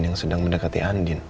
yang sedang mendekati andien